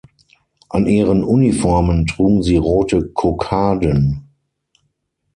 An ihren Uniformen trugen sie rote Kokarden.